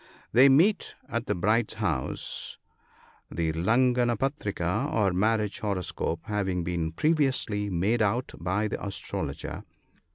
They meet at the bride's house, the laganpatrica or " marriage horoscope " having been previously made out by the astrologer.